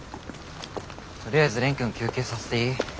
とりあえず蓮くん休憩させていい？